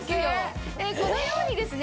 このようにですね